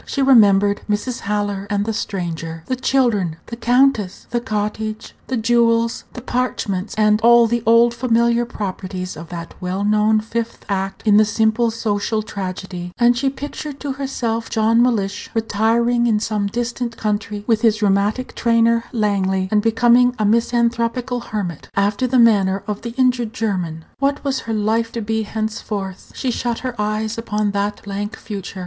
She remembered Mrs. Haller and the Stranger, the children, the countess, the cottage, the jewels, the parchments, and all the old familiar properties of that well known fifth act in the simple social tragedy, and she pictured to herself John Mellish retiring into some distant country with his rheumatic trainer Langley, and becoming a misanthropical hermit, after the manner of the injured German. What was her life to be henceforth? She shut her eyes upon that blank future.